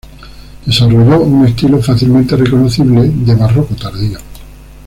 Desarrolló un estilo fácilmente reconocible de barroco tardío.